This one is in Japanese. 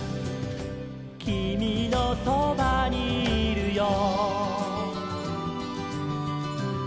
「きみのそばにいるよ」